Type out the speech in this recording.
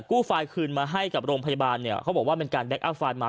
กู้ไฟล์คืนมาให้กับโรงพยาบาลเนี่ยเขาบอกว่าเป็นการมา